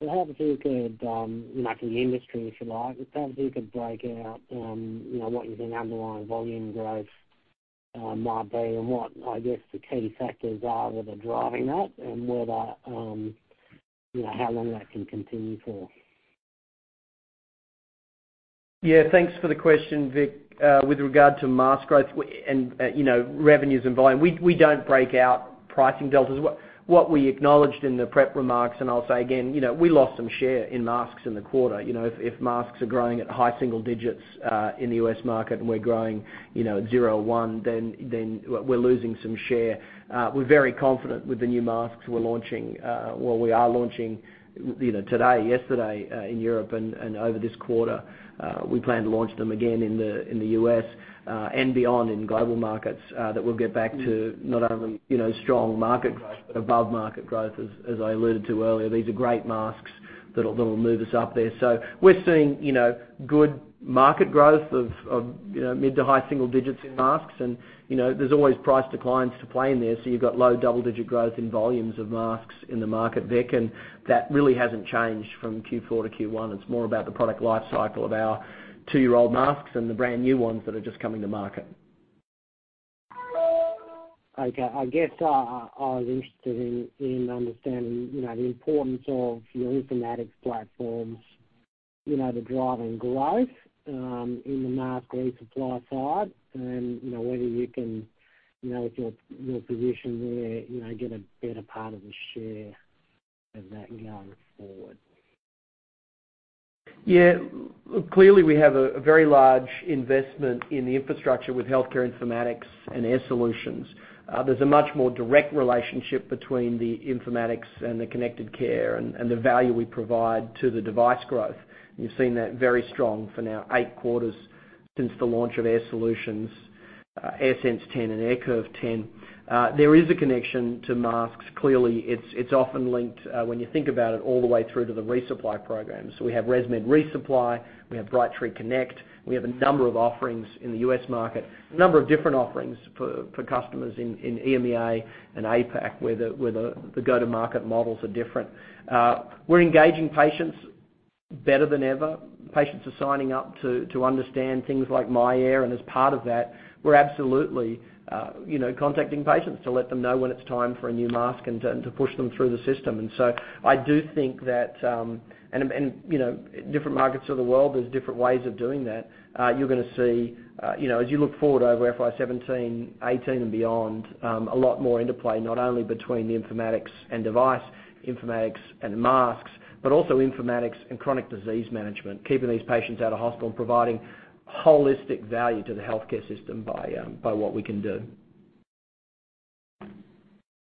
Speaker 13: perhaps you could, like an industry, if you like, perhaps you could break out what you think underlying volume growth might be and what, I guess, the key factors are that are driving that and how long that can continue for.
Speaker 3: Yeah. Thanks for the question, Vic. With regard to mask growth and revenues and volume, we don't break out pricing deltas. What we acknowledged in the prep remarks, I'll say again, we lost some share in masks in the quarter. If masks are growing at high single digits in the U.S. market and we're growing at 0.1, we're losing some share. We're very confident with the new masks we're launching, well, we are launching today, yesterday, in Europe and over this quarter. We plan to launch them again in the U.S., beyond in global markets, that we'll get back to not only strong market growth, above-market growth, as I alluded to earlier. These are great masks that'll move us up there. We're seeing good market growth of mid to high single digits in masks, there's always price declines to play in there. You've got low double-digit growth in volumes of masks in the market, Vic, that really hasn't changed from Q4 to Q1. It's more about the product lifecycle of our two-year-old masks and the brand-new ones that are just coming to market.
Speaker 13: Okay. I guess I was interested in understanding the importance of your informatics platforms, the driving growth in the mask resupply side, whether you can, with your position there, get a better part of the share of that going forward.
Speaker 3: Yeah. Clearly, we have a very large investment in the infrastructure with healthcare informatics and Air Solutions. There is a much more direct relationship between the informatics and the connected care, and the value we provide to the device growth. You've seen that very strong for now, eight quarters since the launch of Air Solutions, AirSense 10, and AirCurve 10. There is a connection to masks. Clearly, it's often linked, when you think about it, all the way through to the resupply program. We have ResMed ReSupply, we have Brightree Connect, we have a number of offerings in the U.S. market. A number of different offerings for customers in EMEA and APAC, where the go-to-market models are different. We're engaging patients better than ever. Patients are signing up to understand things like myAir, and as part of that, we're absolutely contacting patients to let them know when it's time for a new mask and to push them through the system. Different markets of the world, there's different ways of doing that. You're going to see, as you look forward over FY 2017, 2018, and beyond, a lot more interplay, not only between the informatics and device, informatics and masks, but also informatics and chronic disease management, keeping these patients out of hospital and providing holistic value to the healthcare system by what we can do.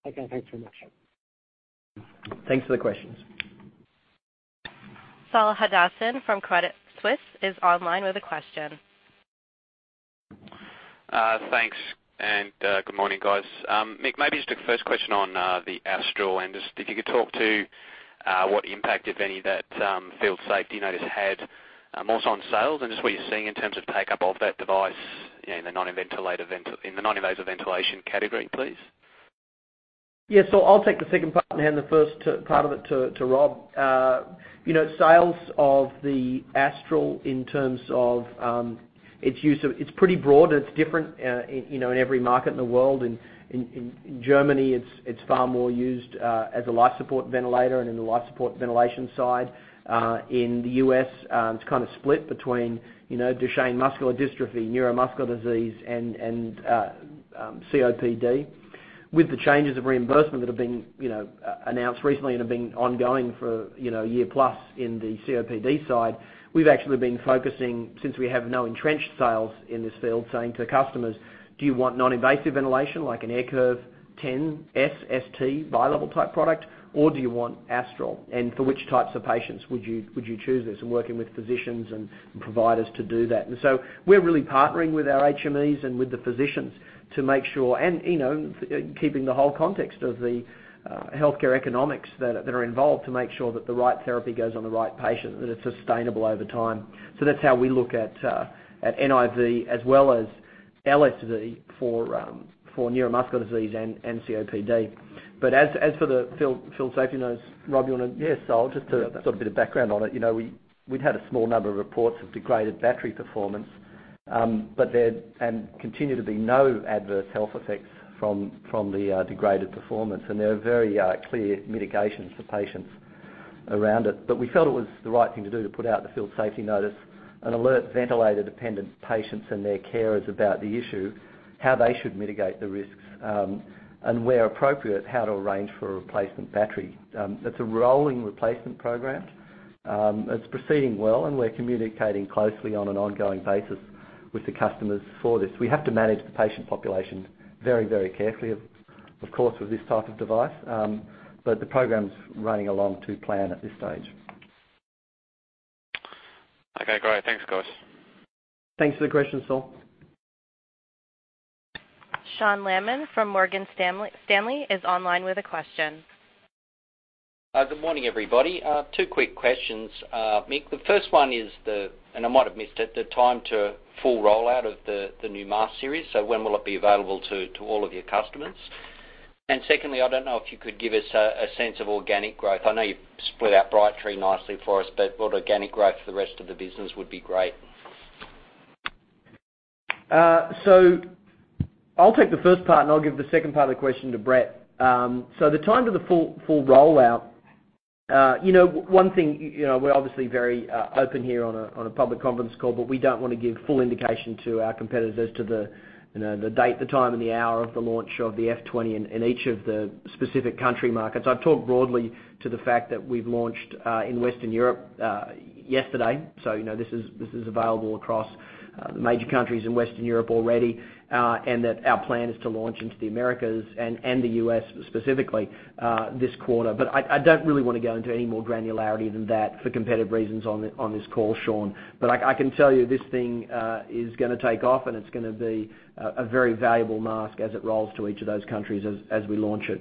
Speaker 13: Okay. Thanks very much.
Speaker 3: Thanks for the questions.
Speaker 1: Saul Hadassin from Credit Suisse is online with a question.
Speaker 14: Thanks, good morning, guys. Mick, maybe just the first question on the Astral. Just if you could talk to what impact, if any, that field safety notice had more so on sales, and just what you're seeing in terms of take-up of that device in the non-invasive ventilation category, please?
Speaker 3: Saul, I'll take the second part and hand the first part of it to Rob. Sales of the Astral in terms of its use, it's pretty broad and it's different in every market in the world. In Germany, it's far more used as a life support ventilator and in the life support ventilation side. In the U.S., it's kind of split between Duchenne muscular dystrophy, neuromuscular disease, and COPD. With the changes of reimbursement that have been announced recently and have been ongoing for a year plus in the COPD side, we've actually been focusing, since we have no entrenched sales in this field, saying to customers, "Do you want non-invasive ventilation, like an AirCurve 10 S/ST bilevel type product, or do you want Astral? For which types of patients would you choose this?" Working with physicians and providers to do that. We're really partnering with our HMEs and with the physicians to make sure, and keeping the whole context of the healthcare economics that are involved to make sure that the right therapy goes on the right patient, that it's sustainable over time. That's how we look at NIV as well as LSV for neuromuscular disease and COPD. As for the field safety notes, Rob, you want to?
Speaker 10: Yeah, Saul, just to sort a bit of background on it. We'd had a small number of reports of degraded battery performance. There continue to be no adverse health effects from the degraded performance. There are very clear mitigations for patients around it. We felt it was the right thing to do to put out the field safety notice and alert ventilator-dependent patients and their carers about the issue, how they should mitigate the risks, and where appropriate, how to arrange for a replacement battery. It's a rolling replacement program. It's proceeding well. We're communicating closely on an ongoing basis with the customers for this. We have to manage the patient population very carefully, of course, with this type of device. The program's running along to plan at this stage.
Speaker 14: Okay, great. Thanks, guys.
Speaker 3: Thanks for the question, Saul.
Speaker 1: Sean Laaman from Morgan Stanley is online with a question.
Speaker 15: Good morning, everybody. Two quick questions. Mick, the first one is the, and I might have missed it, the time to full rollout of the new mask series. When will it be available to all of your customers? Secondly, I don't know if you could give us a sense of organic growth. I know you've split out Brightree nicely for us, what organic growth for the rest of the business would be great.
Speaker 3: I'll take the first part, I'll give the second part of the question to Brett. The time to the full rollout. One thing, we're obviously very open here on a public conference call, we don't want to give full indication to our competitors as to the date, the time, and the hour of the launch of the F20 in each of the specific country markets. I've talked broadly to the fact that we've launched in Western Europe yesterday. This is available across the major countries in Western Europe already, that our plan is to launch into the Americas and the U.S. specifically, this quarter. I don't really want to go into any more granularity than that for competitive reasons on this call, Sean. I can tell you this thing is going to take off, it's going to be a very valuable mask as it rolls to each of those countries as we launch it.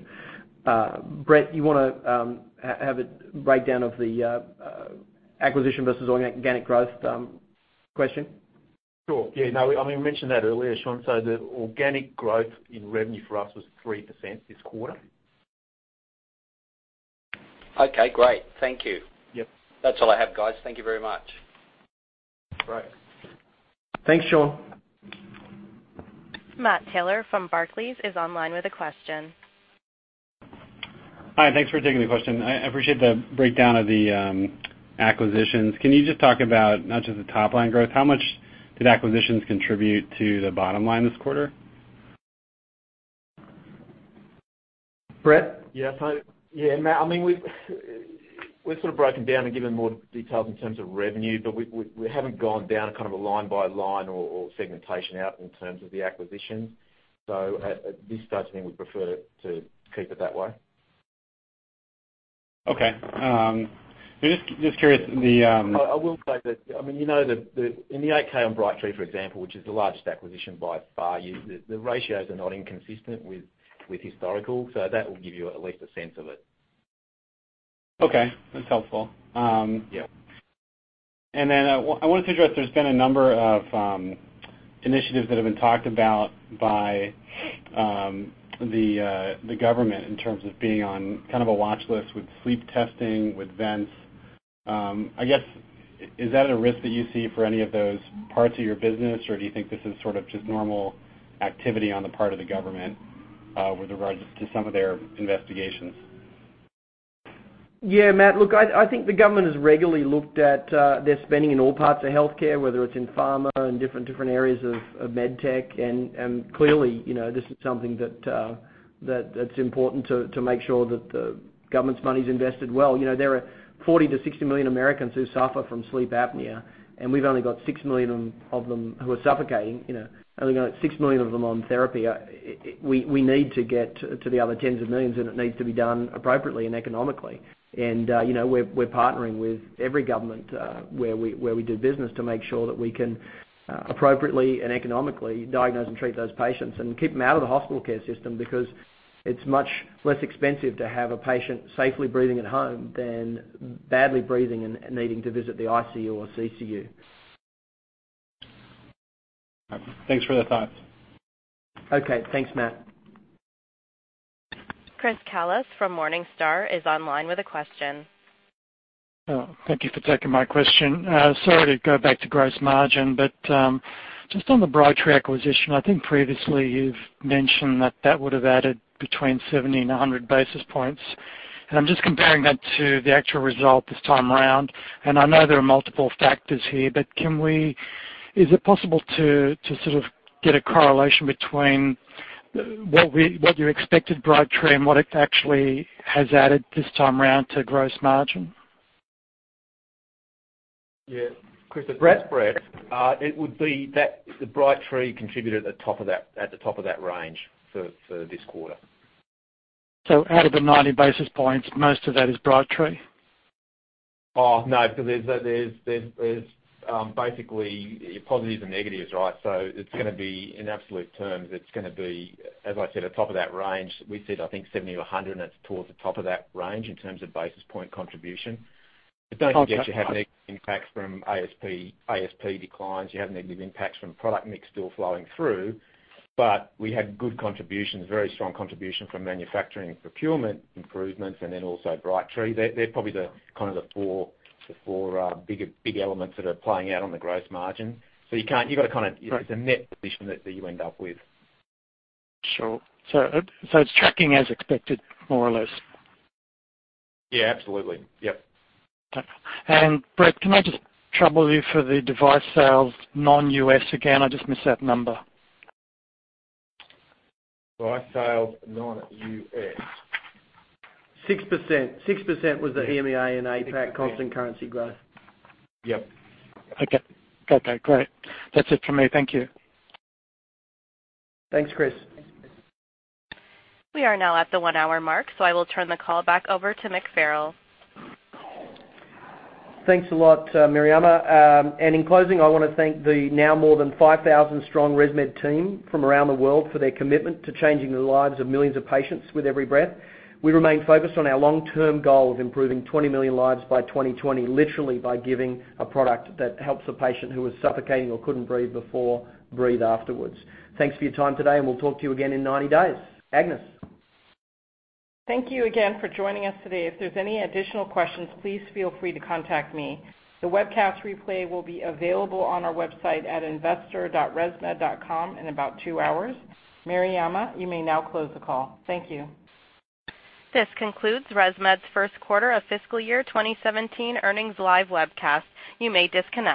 Speaker 3: Brett, you want to have a breakdown of the acquisition versus organic growth question?
Speaker 4: Sure. Yeah. We mentioned that earlier, Sean. The organic growth in revenue for us was 3% this quarter.
Speaker 15: Okay, great. Thank you.
Speaker 4: Yep.
Speaker 15: That's all I have, guys. Thank you very much.
Speaker 3: Great. Thanks, Sean.
Speaker 1: Matt Taylor from Barclays is online with a question.
Speaker 16: Hi. Thanks for taking the question. I appreciate the breakdown of the acquisitions. Can you just talk about not just the top-line growth, how much did acquisitions contribute to the bottom line this quarter?
Speaker 3: Brett?
Speaker 4: Yeah. Yeah, Matt, we've sort of broken down and given more details in terms of revenue, but we haven't gone down kind of a line-by-line or segmentation out in terms of the acquisition. At this stage, I think we prefer to keep it that way.
Speaker 16: Okay. Just curious.
Speaker 4: I will say that, you know in the 8-K on Brightree, for example, which is the largest acquisition by far, the ratios are not inconsistent with historical. That will give you at least a sense of it.
Speaker 16: Okay. That's helpful.
Speaker 4: Yeah.
Speaker 16: Then I wanted to address, there's been a number of initiatives that have been talked about by the government in terms of being on kind of a watchlist with sleep testing, with vents. I guess, is that a risk that you see for any of those parts of your business, or do you think this is sort of just normal activity on the part of the government, with regards to some of their investigations?
Speaker 3: Yeah, Matt, look, I think the government has regularly looked at their spending in all parts of healthcare, whether it's in pharma and different areas of med tech. Clearly, this is something that's important to make sure that the government's money's invested well. There are 40 to 60 million Americans who suffer from sleep apnea, and we've only got 6 million of them. We've only got 6 million of them on therapy. We need to get to the other tens of millions, and it needs to be done appropriately and economically. We're partnering with every government, where we do business to make sure that we can appropriately and economically diagnose and treat those patients and keep them out of the hospital care system because it's much less expensive to have a patient safely breathing at home than badly breathing and needing to visit the ICU or CCU.
Speaker 16: Thanks for the thoughts.
Speaker 3: Okay. Thanks, Matt.
Speaker 1: Chris Kallos from Morningstar is online with a question.
Speaker 17: Thank you for taking my question. Sorry to go back to gross margin, just on the Brightree acquisition, I think previously you've mentioned that that would've added between 70 and 100 basis points, and I'm just comparing that to the actual result this time around. I know there are multiple factors here, is it possible to sort of get a correlation between what you expected Brightree and what it actually has added this time around to gross margin?
Speaker 4: Yeah. Chris, it's Brett. It would be that the Brightree contributed at the top of that range for this quarter.
Speaker 17: Out of the 90 basis points, most of that is Brightree?
Speaker 4: Oh, no, because there's basically your positives and negatives, right? It's going to be, in absolute terms, it's going to be, as I said, at the top of that range. We said, I think 70 to 100, and it's towards the top of that range in terms of basis point contribution. Don't forget, you have negative impacts from ASP declines. You have negative impacts from product mix still flowing through. We have good contributions, very strong contribution from manufacturing and procurement improvements, and then also Brightree. They're probably kind of the four big elements that are playing out on the gross margin. You've got to kind of, it's a net position that you end up with.
Speaker 17: Sure. It's tracking as expected, more or less?
Speaker 4: Yeah, absolutely. Yep.
Speaker 17: Okay. Brett, can I just trouble you for the device sales, non-U.S. again? I just missed that number.
Speaker 4: Device sales, non-U.S.
Speaker 3: 6%. 6% was the EMEA and APAC constant currency growth.
Speaker 4: Yep.
Speaker 17: Okay. Okay, great. That's it from me. Thank you.
Speaker 3: Thanks, Chris.
Speaker 1: We are now at the one-hour mark. I will turn the call back over to Mick Farrell.
Speaker 3: Thanks a lot, Mariama. In closing, I want to thank the now more than 5,000-strong ResMed team from around the world for their commitment to changing the lives of millions of patients with every breath. We remain focused on our long-term goal of improving 20 million lives by 2020, literally by giving a product that helps a patient who was suffocating or couldn't breathe before, breathe afterwards. Thanks for your time today, and we'll talk to you again in 90 days. Agnes.
Speaker 2: Thank you again for joining us today. If there's any additional questions, please feel free to contact me. The webcast replay will be available on our website at investor.resmed.com in about two hours. Mariama, you may now close the call. Thank you.
Speaker 1: This concludes ResMed's first quarter of fiscal year 2017 earnings live webcast. You may disconnect.